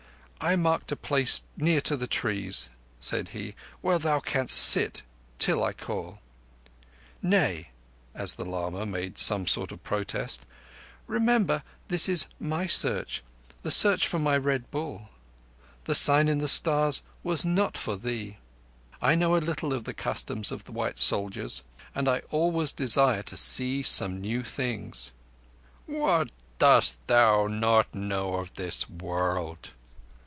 "I marked a place near to the trees," said he, "where thou canst sit till I call. Nay," as the lama made some sort of protest, "remember this is my Search—the Search for my Red Bull. The sign in the Stars was not for thee. I know a little of the customs of white soldiers, and I always desire to see some new things." "What dost thou not know of this world?"